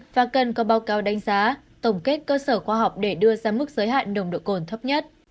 và cần có báo cáo đánh giá tổng kết cơ sở khoa học để đưa ra mức giới hạn nồng độ cồn thấp nhất